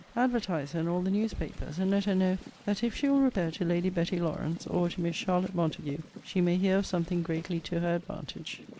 Advertise her in all the news papers; and let her know, 'That if she will repair to Lady Betty Lawrance, or to Miss Charlotte Montague, she may hear of something greatly to her advantage.'